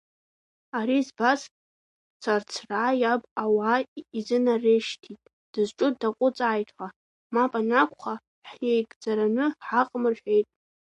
Ари збаз царцраа иаб ауаа изынарышьҭит дызҿу даҟәыҵааит ҳәа, мап анакәха ҳиеигӡараны ҳаҟам рҳәеит.